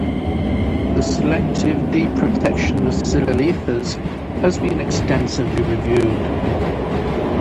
The selective deprotection of silyl ethers has been extensively reviewed.